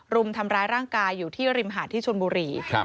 รุมทำร้ายร่างกายอยู่ที่ริมหาดที่ชนบุรี